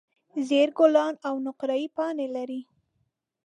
زېړ ګلان او نقریي پاڼې لري.